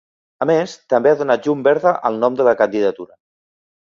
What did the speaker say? A més, també ha donat llum verda al nom de la candidatura.